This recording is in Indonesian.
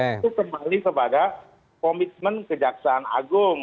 itu kembali kepada komitmen kejaksaan agung